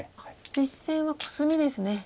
実戦はコスミですね。